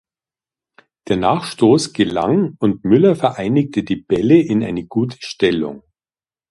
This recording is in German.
Der Nachstoß gelang und Müller vereinigte die Bälle in eine gute Stellung.